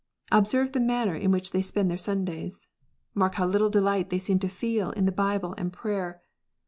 Observe the manner in which they spend their Sundays. Mark how little delight they seem to feel in the Bible and prayer.